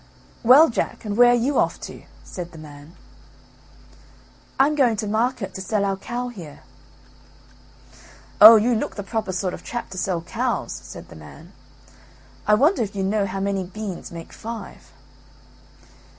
"Well, Jack, and where are you off to?" said the man. "I'm going to market to sell our cow here." "Oh, you look the proper sort of chap to sell cows," said the man; "I wonder if you know how many beans make five."